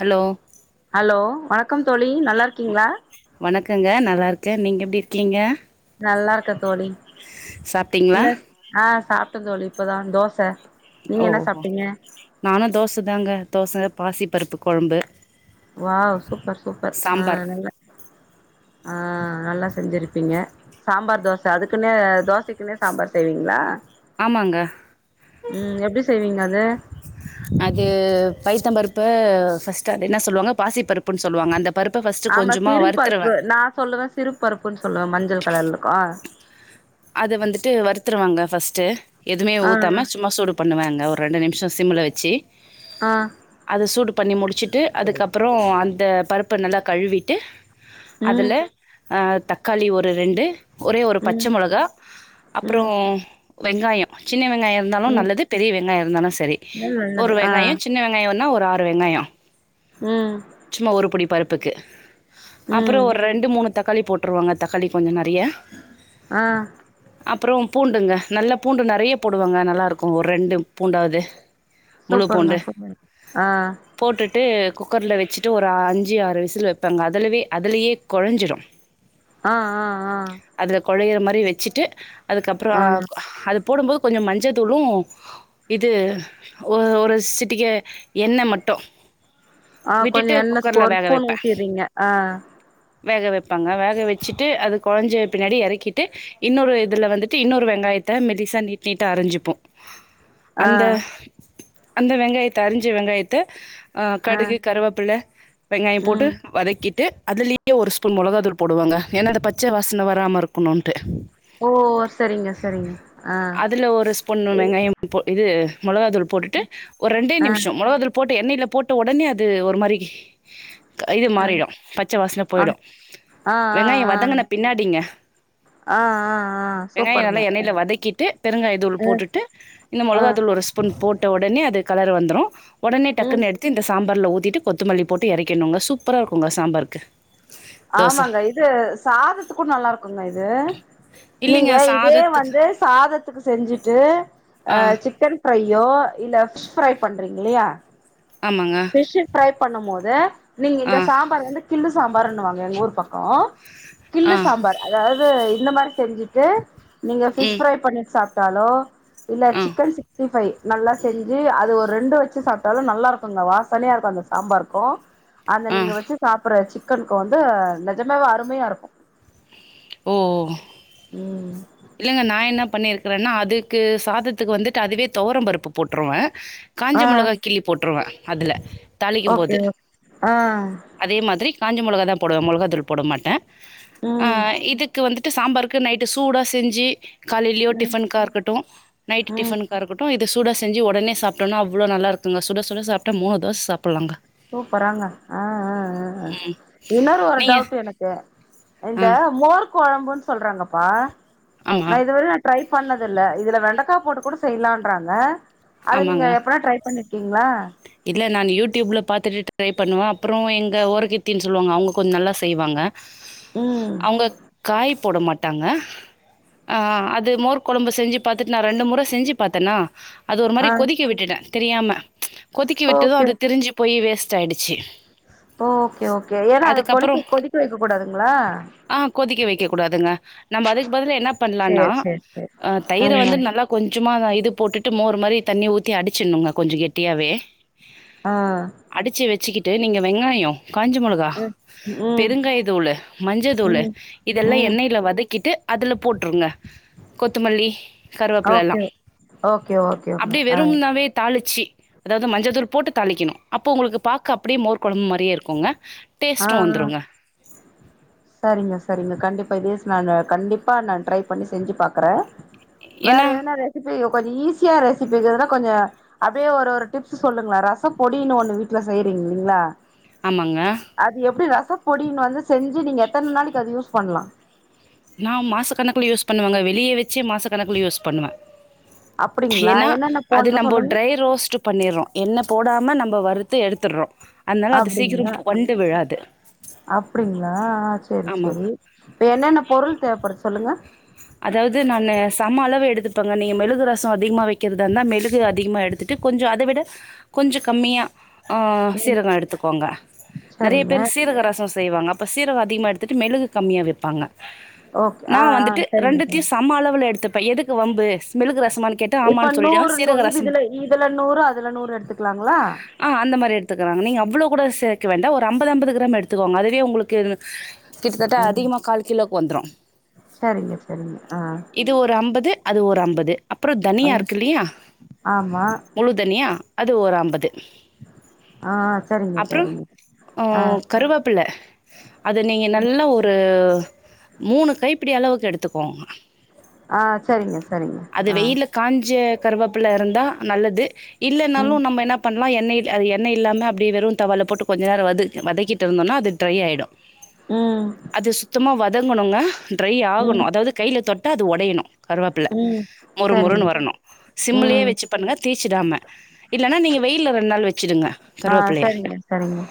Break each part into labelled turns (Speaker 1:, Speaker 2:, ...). Speaker 1: Hello
Speaker 2: hello வணக்கம் தோழி நல்லா இருக்கீங்களா
Speaker 1: வணக்கங்க நல்லா இருக்கேன் நீங்க எப்படி இருக்கீங்க
Speaker 2: நல்லா இருக்கேன் தோழி
Speaker 1: சாப்ட்டீங்களா
Speaker 2: இல்ல ஆ சாப்பிட்டேன் தோழி இப்பதான் தோச நீங்க
Speaker 1: ஓ
Speaker 2: என்ன சாப்ட்டீங்க
Speaker 1: நானும் தோச தாங்க தோச பாசி பருப்பு குழம்பு
Speaker 2: வாவ் சூப்பர் சூப்பர் ஆ நல்லா ஆ நல்லா செஞ்சிருப்பீங்க சாம்பார் தோச அதுக்குன்னே தோசக்குன்னே சாம்பார் செய்வீங்களா
Speaker 1: அமாங்க
Speaker 2: ம் எப்டி செய்வீங்க அது
Speaker 1: அது பைத்தம் பருப்பு ஃபஸ்ட் அது என்ன சொல்லுவாங்க பாசி பருப்புன்னு சொல்லுவாங்க அந்த பருப்ப ஃபர்ஸ்ட்டு
Speaker 2: ஆமா
Speaker 1: கொஞ்சமா
Speaker 2: சிறு
Speaker 1: வறுத்துருவே
Speaker 2: பருப்பு நான் சொல்லுவேன் சிறு பருப்புன்னு சொல்லுவேன் மஞ்சள் கலர்ல இருக்கு
Speaker 1: அதை வந்துட்டு வருத்துருவாங்க ஃபர்ஸ்ட்டு எதுவுமே
Speaker 2: ஆ
Speaker 1: ஊத்தாம சும்மா சுடு பண்ணுவேங்க ஒரு ரெண்டு நிமிஷம் சிம்மில வச்சி
Speaker 2: ஆஹ்
Speaker 1: அதை சூடு பண்ணி முடிச்சுட்டு அதுக்கப்புறம் அந்த பருப்ப நல்லா கழுவிட்டு
Speaker 2: ம்
Speaker 1: அதுல தக்காளி ஒரு ரெண்டு ஒரே ஒரு பச்சை
Speaker 2: ம்
Speaker 1: மொளக் கா
Speaker 2: ம்
Speaker 1: அப்புறம் வெங்காயம் சின்ன வெங்காயம் இருந்தாலும்
Speaker 2: ம்
Speaker 1: நல்லது பெரிய வெங்காயம் இருந்தாலும் சரி
Speaker 2: நல்லது நல்லது.
Speaker 1: ஒரு
Speaker 2: ஆ
Speaker 1: வெங்காயம் சின்ன வெங்காயம்ன்னா ஒரு ஆறு வெங்காயம்
Speaker 2: உம்
Speaker 1: சும்மா ஒரு படி பருப்புக்கு
Speaker 2: ம்
Speaker 1: அப்புறம் ஒரு ரெண்டு மூணு தக் காளி போட்டுருவாங்க தக்காளி கொஞ்சம் நிறையா
Speaker 2: ஆஹ்
Speaker 1: அப்புறம் பூண்டுங்க நல்ல பூண்டு நிறைய போடுவாங்க நல்லாருக்கும் ஒரு ரெண்டு பூண்டாது
Speaker 2: சூப்பருங்க சூப்பர் ஹா
Speaker 1: போட்டுட்டு குக்கரில வச்சுட்டு ஒரு அஞ்சு ஆறு விசில் வைப்பாங்க அதிலவே அதலயே குழஞ்சிரும்
Speaker 2: ஆஹ் ஆஹ் ஆஹ்
Speaker 1: அதுல கொழையிற மாரி வச்சுட்டு அதுக்கப்புறம்
Speaker 2: ஆ ஆ
Speaker 1: அது போடும்போது கொஞ்சம் மஞ்ச தூளும் இது ஒரு சிட்டக்கை எண்ண மட்டும்
Speaker 2: ஆஹ் கொஞ்சம் எண்ண ஒரு
Speaker 1: வேக
Speaker 2: ஸ்பூன்
Speaker 1: வைப்பே
Speaker 2: ஊத்திறீங்க ஆஹ்
Speaker 1: வேக வைப்பங்க வேக வச்சுட்டு அது குழஞ்ச பின்னாடி இறக்கிட்டு இன்னொரு இதுல வந்துட்டு இன்னொரு வெங்காயத்த மெல்லீ சா நீட் நீட்டா அரைஞ்சுப்போம்
Speaker 2: ஆ
Speaker 1: அந்த அந்த வெங்காயத்த அரிஞ்ச வெங்காயத்த அ
Speaker 2: ஆ
Speaker 1: கடுகு கருவேப்பில வெங்காய போட்டு
Speaker 2: ம்
Speaker 1: வதக்கிட்டு அதுலயே ஒரு ஸ்பூன் மொளகாதூள் போடுவங்க ஏன்னா அந்த பச்ச வாசன வராம இருக்கணும்ட்டு
Speaker 2: ஓ சரிங்க சரிங்க அ
Speaker 1: அதுல ஒரு ஸ்பூன்
Speaker 2: ஏ
Speaker 1: வெங்காயம் போ இது மொளகா தூள் போட்டுட்டு ஒரு ரெண்டே
Speaker 2: ஆ
Speaker 1: நிமிஷோ மொளகாதூள் போட்ட எண்ணெயில போட்ட ஒடனே அது ஒரு மாரி கஇது
Speaker 2: ஆ
Speaker 1: மாறிடு பச்ச வாசன போயிடு
Speaker 2: ஆ ஆ ஆ
Speaker 1: வெங்காய
Speaker 2: ஆ
Speaker 1: வதங்குன பின்னாடிங்க
Speaker 2: ஆ ஆ ஆ
Speaker 1: வெங்காய
Speaker 2: சூப்பருங்க
Speaker 1: நல்லா எண்ணயில வதக்கிட்டு பெருங்காய தூள்
Speaker 2: ம்
Speaker 1: போட்டுட்டு இந்த
Speaker 2: ஆ
Speaker 1: மொளகா தூள் ஒரு ஸ்ப் பூன் போட்ட ஒடனே அது கலர் வந்துறு ஒடனே
Speaker 2: ம்
Speaker 1: டக்குன்னு எடுத் து இந்த சாம்பார்ல ஊத்திட்டு கொத்தமல்லி போட்டு எறக்கிற்ணுங்க சூப்பரா இருக்குங்க சாம்பார்க்கு
Speaker 2: ஆமாங்க இது சாதத்துக்கு நல்லா இருக்குங்க இது
Speaker 1: இல்லைங்க
Speaker 2: நீங்க இதே
Speaker 1: சாதத்துக்கு
Speaker 2: வந்து சாதத்துக்கு செஞ்சுட்டு
Speaker 1: ஆ
Speaker 2: அ சிக்கன் ஃப்ரையோ இல்ல ஃபிஷ் ஃப்ரை பண்றீங்க இல்லயா
Speaker 1: ஆமாங்க
Speaker 2: ஃபிஷு ஃப்ரை பண்ணும் போது நீங்க
Speaker 1: ஆ
Speaker 2: இந்த சாம்பார் வந்து கிள்ளு சாம்பார்ன்னுவாங்க எங்க ஊர் பக்கோ
Speaker 1: ஆ
Speaker 2: கிள்ளு சாம்பார் அதாவது இந்த மாரி செஞ்சிட்டு நீங்க ஃபிஷ்
Speaker 1: ம்
Speaker 2: ஃப்ரை பண்ணி சாப் டாலோ இல்ல
Speaker 1: ஆ
Speaker 2: சிக்கன் சிக்ஸ்டி ஃபை நல்லா செஞ்சு அது ஒரு ரெண்டு வச்சு சாப்ட்டாலோ நல்லா இருக்கு வாசனையா இருக்கு அந்த சாம்பாருக்கு அந்த
Speaker 1: ஆ
Speaker 2: நீங்க வச்சு சாப்பிடுற சிக் கனுக்கு வந்து நெஜமாவே அருமையா இருக்கு
Speaker 1: ம்
Speaker 2: ம்
Speaker 1: இல்லைங்க நா என்ன பண்ணிருக்குறேன்னா அதுக்கு சாதத்துக்கு வந்துட்டு அதுவே தொவரம் பருப்பு போட்ருவே காஞ்ச
Speaker 2: ஆ
Speaker 1: மொளகா கிள்ளி போட்டுருவே அதுல
Speaker 2: ஓகே
Speaker 1: தாளிக்கும்போது
Speaker 2: ஓகே ஆ
Speaker 1: அதே மாரி காஞ்ச மொளகாதா போடுவே மொளகாத்தூள் போட மாட்டே, ஆ
Speaker 2: ம்
Speaker 1: இதுக்கு வந்து ட்டு சாம்பாருக்கு நைட்டு சூடா செஞ்சி காலையிலயோ
Speaker 2: ம்
Speaker 1: டிஃபனுக்கா இருக்கட்டு நைட்டு
Speaker 2: ம்
Speaker 1: டிஃபனுக்கா இருக்கட்டு இது சூட செஞ்சி ஒடனே சாப்ட்டோனா அவ்ளோ நல்லாருக்குங்க சுட சுட சாப்ட்டா மூணு தோச சாப்புட்லாங்க
Speaker 2: சூப்பராங்க ஆ ஆ ஆ
Speaker 1: ம்
Speaker 2: இன்னொரு ஒரு
Speaker 1: நீங்கள்
Speaker 2: டவுட் எனக்கு
Speaker 1: ஆ
Speaker 2: இந்த மோர் கொழம்புன்னு சொல்றாங்கப்பா நா
Speaker 1: ஆமாம்
Speaker 2: இதுவரையு ட்ரை பண்ணது இல்ல இதுல வெண்டக்கா போட்டு கூட செய்லான்றாங்க அது நீங்க எப்பனா ட்ரை பண்ணிருக்கீங்ளா
Speaker 1: இல்ல நான் யூடியூப்ல பாத்துட்டு ட்ரை பண்ணுவே அப்புறோ எங்க ஓரகத்தின்னு சொல்லுவாங்க அவுங்க கொஞ்சோ நல்லா செய்வாங்க
Speaker 2: ம்
Speaker 1: அவுங்க காய் போட மாட்டாங்க ஆ அது மோர் கொழம்பு செஞ்சு பாத்துட்டு நா ரெண்டு முற செஞ்சு பாத்தேனா அது ஒரு மாரி
Speaker 2: ஆ
Speaker 1: கொதிக்க விட்டுட்டே தெரியாம கொதிக்க விட்டதும்
Speaker 2: ஓகே
Speaker 1: அது திரிஞ்சு போய் வேஸ்ட் ஆயிடுச்சு
Speaker 2: ஓ ஓகே ஓகே, ஏன்னா அது
Speaker 1: அதுக்கப்புறோ
Speaker 2: கொதிக்க கொதிக்க வைக்க கூடாதுங்ளா
Speaker 1: ஆ கொதிக்க வைக்க கூடாதுங்க நம்ம அதுக்கு பதில என்ன பண்ணலான்னா
Speaker 2: சேரி சேரி சேரி
Speaker 1: அ தயிர வந்து நல்லா கொஞ்சமாதா இது போட்டுட்டு மோரு மாரி தண்ணி ஊத்தி அடிச்சிட்ணுங்க கொஞ்ச கெட்டியாவே
Speaker 2: ஆ
Speaker 1: அடிச்சி வெச்சுக்கிட்டு நீங்க வெங்காயோ, காஞ்ச மொளகா
Speaker 2: ம்
Speaker 1: பெருங்காய தூளு, மஞ்ச
Speaker 2: ம்
Speaker 1: தூளு
Speaker 2: ம்
Speaker 1: இதெல்லா
Speaker 2: ம்
Speaker 1: எண்ணெயில வதக்கிட்டு அதுல போட்டுருங்க கொத்தமல்லி, கருவேப்பில எல்லா
Speaker 2: ஓகே ஓகே ஓகேங்க
Speaker 1: அப்டி
Speaker 2: ஆ
Speaker 1: வெறும்னாவே தாளிச்சு அதாவது மஞ்சதூள் போட்டு தாளிக்கணு அப்போ உங்களுக்கு பாக்க அப்டியே மோர் கொழம்பு மாரியே இருக்குங்க
Speaker 2: ஆ
Speaker 1: டேஸ்ட்டு
Speaker 2: ஆ
Speaker 1: வந்துருங்க
Speaker 2: சரிங்க சரிங்க கண்டிப்பா இதே நானு கண்டிப்பா நா ட்ரை பண்ணி செஞ்சி பாக்குறே வேற
Speaker 1: ஏன்னா
Speaker 2: எதனா ரெசிபி கொஞ்சோ ஈஸியா ரெசிபி எதனா கொஞ்சோ அப்டியே ஒரு ஒரு டிப்ஸ் சொல்லுங்களே ரசப் பொடினு ஒன்னு வீட்டுல செய்றீங்க இல்லீங்கா
Speaker 1: ஆமாங்க
Speaker 2: அது எப்டி ரச பொடினு வந்து செஞ்சு நீங்க எத்தன நாளைக்கு அது யூஸ் பண்ணலா
Speaker 1: நா மாசக்கணக்குல யூஸ் பண்ணுவேங்க வெளியே வச்சே மாசக்கணக்குல யூஸ் பண்ணுவே
Speaker 2: அப்டிங்களா
Speaker 1: ஏன்னா
Speaker 2: என்னென்ன
Speaker 1: அது
Speaker 2: போட்ணு
Speaker 1: நம்ப
Speaker 2: சொல்லுங்க
Speaker 1: டிரை ரோஸ்ட் பண்ணிட்றோ, எண்ணெ போடாம நம்ம வறுத்து எடுத்துட்றோ,
Speaker 2: அப்டிங்க அப்படிங்களா ஆ சேரி
Speaker 1: ஆமாங்க.
Speaker 2: சேரி இப்ப என்னென்ன பொருள் தேவைப்படுது சொல்லுங்க
Speaker 1: அதாவது நானு சம அளவு எடுத்துப்பேங்க நீங்க மெழுகு ரசோ அதிகமா வைக்கிறதுதா இருந்தா மெழுகு அதிகமாக எடுத்து ட்டு கொஞ்சோ அதை விட கொஞ்ச கம்மியா ஆ
Speaker 2: ம்
Speaker 1: சீரகம் எடுத்துக்கோங்க நறைய
Speaker 2: சரிங்க
Speaker 1: பேர் சீரக ரசோ செய்வாங்க, அப்ப சீரகம் அதிகமா எடுத்துட்டு மெழுகு கம்மியா வைப்பாங்க
Speaker 2: ஓகே ஆ
Speaker 1: நா
Speaker 2: ஆ
Speaker 1: வந்துட்டு
Speaker 2: சரிங்க
Speaker 1: ரெண்டுத்தையு
Speaker 2: சரிங்க
Speaker 1: சம அளவுல எடுத்துப்பே எதுக்கு வம்பு ஸ் மொழுது ரசமான்னு கேட்
Speaker 2: இப்ப நூறு நூ இது இதுல இதுல நூறு அதுல நூறு எடுத்துக்கலாங்களா
Speaker 1: ஆ அந்த மாரி எடுத்துக்கோங்க நீங்க அவ்வளோ கூட சேக்க வேண்டா ஒரு ஐம்பதுஐம்பது கிராம் எடுத்துக்குவோங்க அதுவே உங்களுக்கு கிட்டத்தட்ட
Speaker 2: ம்
Speaker 1: அதிகமா கால் கிலோவுக்கு வந்துடு
Speaker 2: சரிங்க சரிங்க ஆ
Speaker 1: இது ஒரு அம்பது அது ஒரு அம்பது அப்பறோ
Speaker 2: ஆ
Speaker 1: தனியா இருக்கு இல்லையா
Speaker 2: ஆமா
Speaker 1: முழு தனியா அது ஒரு அம்பது
Speaker 2: ஆ சரிங்க
Speaker 1: அப்பறோ,
Speaker 2: சரிங்க ஆ
Speaker 1: ம் கருவேப்பிலை அது நீங்க நல்ல ஒரு மூணு கைப்பிடி அளவுக்கு எடுத்துக்கோங்க
Speaker 2: ஆ, சரிங்க சரிங்க,
Speaker 1: அது
Speaker 2: ஆ,
Speaker 1: வெயில்ல காஞ்ச கருவேப்பல இருந்தா நல்லது இல்லன்னாலு
Speaker 2: ம்
Speaker 1: நம்ம என்னாப் பண்ணலா எண்ணெய் அ எண்ணய் இல்லாம அப்டியே வெறு தவால போட்டு கொஞ்ச நேரோ வது வதக்கிட்ருந்தோனா அது ட்ரை ஆகிடு
Speaker 2: ம்
Speaker 1: அது சுத்தமா வதங்கணுங்க ட்ரரை
Speaker 2: ம்
Speaker 1: ஆகணு அதாவது கைல தொட்ட அது ஒடையணு கருவப்பில
Speaker 2: ம்
Speaker 1: மொறு
Speaker 2: சரிங்க
Speaker 1: மொறுன்னு வரணு சிம்லயே
Speaker 2: ம்
Speaker 1: வச்சு பண்ணுங்க தீச்சுடாம இல்லனா நீங்க வெயில்ல ரெண்டு நாள் வச்சிடுங்க
Speaker 2: ஆ
Speaker 1: கருவேப்பிள்ளைய
Speaker 2: சரிங்க சரிங்க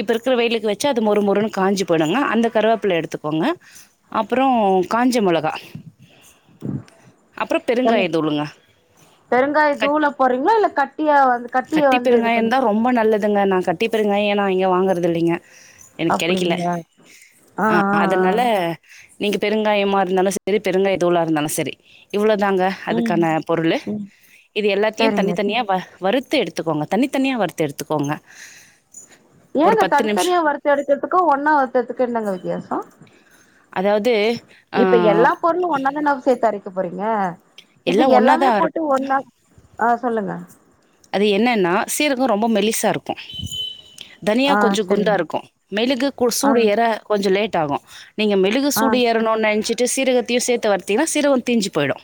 Speaker 1: இப்போ இருக்கிற வெயிலக்கு வச்சு அது ஒரு ஒரு மொறு மொறுன்னு காஞ்சி போய்டுங்க அந்த கருவேப்பில எடுத்துக்கோங்க அப்பறோ காஞ்ச மொளகா அப்பறோ
Speaker 2: சொல்லு
Speaker 1: பெருங்காய தூளுங்க
Speaker 2: பெருங்காய
Speaker 1: கட்
Speaker 2: தூள போடுறீங்களா இல்ல கட்டியா வந்து கட்டிய
Speaker 1: கட்டி
Speaker 2: வந்து இது
Speaker 1: பெருங்காயம்
Speaker 2: பண்ணி
Speaker 1: இருந்தா ரொம்ப நல்லதுங்க நா கட்டிப்பெருங்காயோ ஏன்னா இங்க வாங்கறதில்லைங்க எனக்கு கெடைக்கல
Speaker 2: அப்டிங்களா ஆ
Speaker 1: அ
Speaker 2: ஆ
Speaker 1: அதனால நீங்க பெருங்காயமா இருந்தாலு சரி பெருங்காய தூளா இருந்தாலு சரி இவ்வளதாங்க
Speaker 2: ஆ ம்
Speaker 1: அதுக்கான பொருளு
Speaker 2: ம்
Speaker 1: இது எல்லாத்தையு தனி
Speaker 2: சரிங்க சரி.
Speaker 1: தனியா வறுத்து எடுத்துக்கோங்க தனித்தனியா வறுத்து எடுத்துக்கோங்க ஒரு
Speaker 2: ஏங்க
Speaker 1: பத்து நிமிஷோ
Speaker 2: தனித்தனியா வறுத்து எடுக்கிறதுக்கு ஒன்னா வறுத்துத்துக்கு என்னங்க வித்தியாச
Speaker 1: அதாவது ஆ
Speaker 2: பொருளு ஒன்னா தான சேத்து அரைக்க போறீங்க இப்ப
Speaker 1: எல்லா
Speaker 2: எல்லாமே
Speaker 1: ஒன்னாதா அரு
Speaker 2: போட்டு ஒன்னா ஆஹ சொல்லுங்க
Speaker 1: அது என்னன்னா சீரகோ ரொம்ப மெலிசா இருக்கு தனியா
Speaker 2: ஆ
Speaker 1: கொஞ்ச குண்டா
Speaker 2: சரிங்க
Speaker 1: இருக்கு மெழுகு கு
Speaker 2: ஆ
Speaker 1: சூடு ஏற கொஞ்ச லேட் ஆகு நீங்க மெழுகு
Speaker 2: ஆ
Speaker 1: சூடு ஏற னுன்னு நெனைச்சுட்டு சீரகத்தையு சேத்த வறுத்திங்கன்னா சீரகோ தீஞ்ஜு போயிடு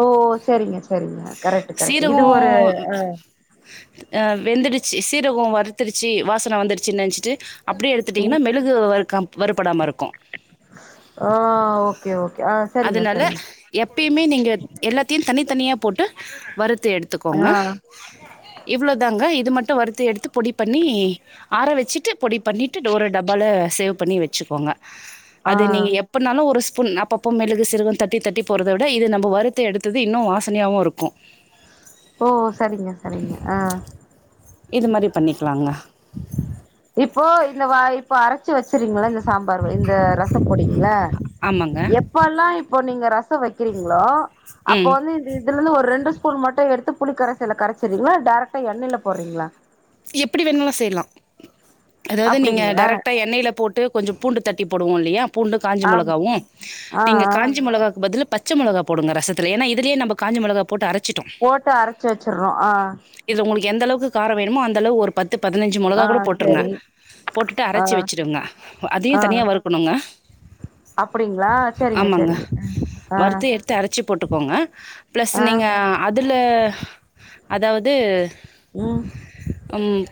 Speaker 2: ஓ சரிங்க சரிங்க கரெக்ட்டு கரெக்ட்டு இது ஒரு ஆ
Speaker 1: ஆ வெந்துடுச்சு சீரகோ வறுத்துருச்சு வாசனை வந்துருச்சுன்னு நெனைச்சிட்டு அப்படியே
Speaker 2: ம்
Speaker 1: எடுத்துட்டிங்கன்னா மெழுகு வருக்க வறுப்படாம இருக்கு
Speaker 2: ஆ ஓகே ஓகே ஆ சரிங்க
Speaker 1: அதனால
Speaker 2: சரிங்க
Speaker 1: எப்பயுமே நீங்க எல்லாத்தையு தனித்தனியா போட்டு வறுத்து
Speaker 2: ஆ
Speaker 1: எடுத்துக்கோங்க இவ்ளோ தாங்க இது மட்டு வறுத்த எடுத்து பொடி பண்ணி ஆற வச்சுட்டு பொடி பண்ணட்டு டோர டப்பால சேவ் பண்ணி வச்சுக்கோங்க
Speaker 2: ஆ
Speaker 1: அது நீங்க எப் எப்பபோனாலு ஒரு ஸ்பூன் அப்பப்போ மெழுகு சீரக தட்டி தட்டி போறத விட இது நம்ம வறுத்து எடுத்தது இன்னு வாசனையாவு இருக்கு
Speaker 2: ஓ சரிங்க சரிங்க ஆ
Speaker 1: இது மாரி பண்ணிக்கலாங்க
Speaker 2: இப்போ இந்த வாய் இப்ப அரைச்சு வச்சறீங்களா இந்த சாம்பார் இந்த ரசப்பொடிங்கள
Speaker 1: ஆமாங்க
Speaker 2: எப் பல்லா இப்போ நீங்க ரச வைக்கிறீங்களோ அப்போ
Speaker 1: ம்
Speaker 2: வந்து இதுல இருந்து ஒரு ரெண்டு ஸ்பூன் மட்டு எடுத்து புளிக்கரசைல கரைச்சுரீங்களா டைரக்ட்டா எண்ணெயில போடுறீங்களா
Speaker 1: எப்படி வேணுனாலு செய்யலா அதாவது நீங்க
Speaker 2: அப்டிங்களா
Speaker 1: டைரக்டா எண்ணெய்ல போட்டு கொஞ்ச பூண்டு தட்டி போடுவோ இல்லையா பூண்டு காஞ்சி
Speaker 2: ஆ
Speaker 1: மொளகாவு
Speaker 2: ஆ ஆ
Speaker 1: நீங்க காஞ்சி மொளகாக்கு பதில் பச் ச மொளகா போடுங்க ரசத்துல ஏன்னா இதுலே நாம காஞ்ச மொளகா போட்டு அரைச்
Speaker 2: போட்டு அரைச்சு வச்சுறோ ஆ
Speaker 1: இது உங்களுக்கு எந்தளவுக்கு கார வேணுமோ அந்த அளவு ஒரு பத்து பதினைஞ்சு மொளகா
Speaker 2: ஆ
Speaker 1: கூட போட்டுருங்க
Speaker 2: சரி
Speaker 1: போட்டுட்டு
Speaker 2: ஆ
Speaker 1: அரைச்சி வச்சுருங்க அதையு
Speaker 2: ஆ
Speaker 1: தனியா வறுக் கனுங்க
Speaker 2: அப்டிங்களா சரிங்க
Speaker 1: ஆமாங்க
Speaker 2: சரிங்க ஆ ஆ
Speaker 1: வறுத்து எடுத்து அரைச்சி போட்டுக்கோங்க ப்ளஸ்
Speaker 2: ஆ
Speaker 1: நீங்க அதுல அதாவது
Speaker 2: ம்
Speaker 1: ம்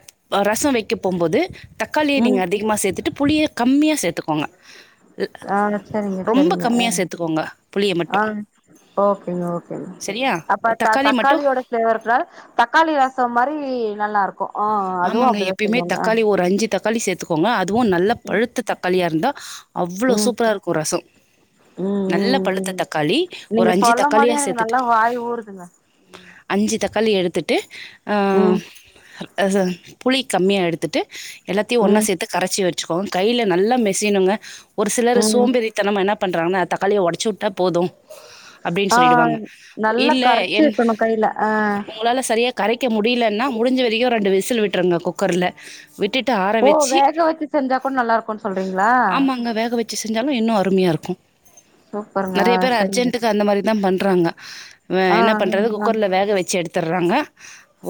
Speaker 1: ரசோ வைக்க போம்போது தக்காளிய நீங்க
Speaker 2: ம்
Speaker 1: அதிகமா சேத்துட்டு புளிய கம்மியாக சேத்துக்கோங்க
Speaker 2: ஆ சரிங்க சரிங்க ஆ
Speaker 1: சேர்த்துக்கோங்க புளியை
Speaker 2: ஆ
Speaker 1: மட்டும்
Speaker 2: ஓகேங்க ஓகேங்க
Speaker 1: சரியா
Speaker 2: அப்ப த
Speaker 1: தக்காளி மட்டும்
Speaker 2: தக்காளியோட ஃப்ளேவர் வர தக்காளி ரசோ மாரி நல்லாருக்கு
Speaker 1: ஆமாங்க எப்பயுமே தக்காளி ஒரு அஞ்சி தக்காளி சேத் துக்கோங்க அதுவு நல்ல
Speaker 2: ம்
Speaker 1: பழுத்த தக்காளியா இருந்தா அவ்வளோ
Speaker 2: ம்
Speaker 1: சூப்பரா இருக்கு ரசோ
Speaker 2: ம்
Speaker 1: நல்ல
Speaker 2: ம்
Speaker 1: பழுத்த
Speaker 2: ம்
Speaker 1: தக்காளி ஒரு
Speaker 2: நீங்க
Speaker 1: அஞ்சி
Speaker 2: சொல்லும்
Speaker 1: தக்காளியா
Speaker 2: போதே எனக்கு
Speaker 1: சேத்துட்டு
Speaker 2: நல்லா வாய் ஊறுதுங்க
Speaker 1: அஞ்சி தக்காளி எடுத்துட்டு ஆ
Speaker 2: ம்
Speaker 1: ஆ ச புளி கம்மியா எடுத்துட்டு எல்லாத்தையு ஒன்னா
Speaker 2: ம்
Speaker 1: சேத்து கரைச்சி வச்சிக்கோங்க கைல நல்லா மெசியனுங்க ஒரு சிலர்
Speaker 2: ம் ம்
Speaker 1: சோம்பேறி தனமா என்ன பண்றாங்கன்னா தக்காளிய ஒடச்சி விட்டா போது அப்டின்னு
Speaker 2: ஆ
Speaker 1: சொல்லிடுவாங்க
Speaker 2: நல்லா
Speaker 1: இல்ல
Speaker 2: கரச்சு
Speaker 1: என்
Speaker 2: வெக்கணு கைல ஆ
Speaker 1: உங்களால சரியா கரைக்க முடியலன்னா முடிஞ்ச வரைக்கு ரெண்டு விசில் விட்டுருங்க குக்கர்ல விட்டுட்டு ஆற
Speaker 2: ஓ
Speaker 1: வச்சி
Speaker 2: வேக வச்சு செஞ்சா கூட நல்லா இருக்குன் சொல்றீங்ளா
Speaker 1: ஆமாங்க வேக வச் சி செஞ்சாலு இன்னு அருமையா இருக்கு
Speaker 2: சூப்பருங்க
Speaker 1: நெறைய பேர்
Speaker 2: சரிங்க
Speaker 1: அர்ஜென்ட்க்கு அந்த மாரி தா பண்றாங்க ஆ என்ன பண்றது
Speaker 2: ஆ
Speaker 1: குக்கர்ல வேக வச்சி எடுத்துர்றாங்க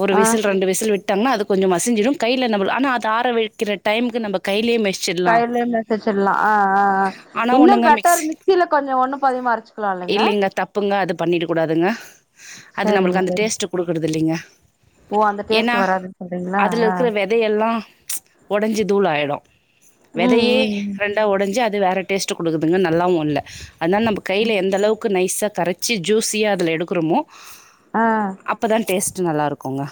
Speaker 1: ஒரு
Speaker 2: ஆ
Speaker 1: விசில் ரெண்டு விசில் விட் டாங்கன்னா அது கொஞ்சோ மசிஞ்சிரு கைல நம்ம ஆனா அது ஆர வைக்கிற டைமுக்கு நம்ம கையிலயே மெசி
Speaker 2: கைலயே மெசிச்சிடலா ஆ ஆ ஆ
Speaker 1: ஆனா
Speaker 2: இன்னு
Speaker 1: ஒண்ணுங்க
Speaker 2: பெட்டர்
Speaker 1: மிக்ஸி
Speaker 2: மிக்சில கொஞ்சோ ஒண்ணு பாதியுமா அரைச்சு
Speaker 1: இல்லைங்க தப்புங்க அது பண்ணிட கூடாதுங்க அது
Speaker 2: சரிங்க
Speaker 1: நம்மளுக்கு அந்த
Speaker 2: சரி
Speaker 1: டேஸ்ட் குடுக்குறது இல்லைங்க
Speaker 2: ஓ அந்த
Speaker 1: ஏன்னா
Speaker 2: டேஸ்ட் வராதுன் சொல்றீங்ளா
Speaker 1: அதுல
Speaker 2: ஆ
Speaker 1: இருக்குற வெதையெல்லா ஒடைஞ்சி தூள ஆயிடு
Speaker 2: ம்
Speaker 1: விதையே
Speaker 2: ம்
Speaker 1: ரெண்டா உடைஞ்சி அது வேற டேஸ்ட் குடுக்குதுங்க நல்லாவு இல்ல அதனால நம்ம கையில
Speaker 2: ம்
Speaker 1: எந்த அளவுக்கு நைஸா கரைச்சி ஜூஸியா அதுல எடுக்குறமோ
Speaker 2: ஆ
Speaker 1: அப்பதா டேஸ்ட்டு நல்லா இருக்குங்க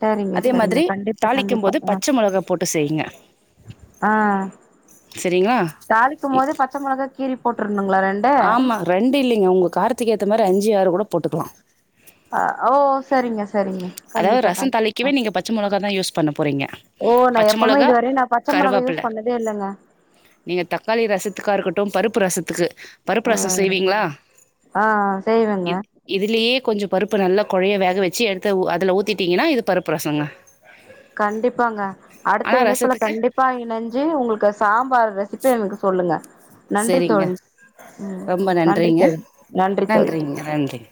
Speaker 2: சரிங்க
Speaker 1: அதே
Speaker 2: சரிங்க
Speaker 1: மாதிரி
Speaker 2: கண்டிப்பா
Speaker 1: தாளிக்கும்
Speaker 2: கண்டிப்பா
Speaker 1: போது
Speaker 2: ஆ
Speaker 1: பச்ச மொளகா போட்டு செய்ங்க
Speaker 2: ஆ
Speaker 1: செரிங்களா
Speaker 2: மொதே பச்ச மொளகா கீறி போட்றனுங்களா ரெண்
Speaker 1: ஆமா ரெண்டு இல்லைங்க உங்க காரத்துக்கேத்த மாரி அஞ்சி ஆறு கூட போட்டுக்கலா
Speaker 2: ஆ ஓ சரிங்க சரிங்க
Speaker 1: அதாவது
Speaker 2: கண்டிப்பா
Speaker 1: ரசோ
Speaker 2: கண்டிப்பா ஆ
Speaker 1: தாளிக்கவே நீங்க பச்ச மொளகாதா யூஸ் பண்ண போறீங்க
Speaker 2: ஓ நா
Speaker 1: பச்ச
Speaker 2: எப்பவுமே
Speaker 1: மொளகா
Speaker 2: இதுவரையு நா பச்ச மிளகா
Speaker 1: கருவேப்பில
Speaker 2: யூஸ் பண்ணதே இல்லைங்க
Speaker 1: நீங்க தக்காளி ரசத்துக்கா இருக்கட்டு பருப்பு ரசத்துக்கு பருப்பு
Speaker 2: ஆ
Speaker 1: ரசோ செய்வீங்களா
Speaker 2: ஆ செய்வேங்க
Speaker 1: இது இதுலயே கொஞ்சோ பருப்ப நல்லா கொழைய வேக வச்சி எடுத்து அதுல ஊத்திட்டிங்கன்னா இது பருப்பு ரசங்க
Speaker 2: கண்டிப்பாங்க
Speaker 1: ஆனா
Speaker 2: அடுத்த இணைப்புல
Speaker 1: ரசத்துக்கு
Speaker 2: கண்டிப் பா இணஞ்சி உங்களுக்கு சாம்பார் ரெசிபி எங்களுக்கு சொல்லுங்க நன்றி
Speaker 1: சரிங்க
Speaker 2: தோழி ம்
Speaker 1: ரொம்ப
Speaker 2: நன்றி
Speaker 1: நன்றிங்க
Speaker 2: தோழி நன்றி தோழி
Speaker 1: நன்றிங்க நன்றி